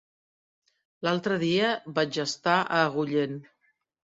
L'altre dia vaig estar a Agullent.